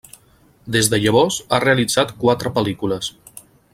Des de llavors, ha realitzat quatre pel·lícules.